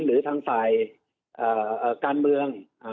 หรือทางฝ่ายการเมือง